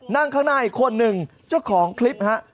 นั่งข้างหน้าอีกคนหนึ่งเจ้าของคลิปฮะ